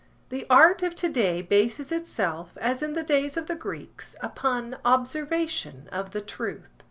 The art of to day bases itself, as in the days of the Greeks, upon observation of the truth.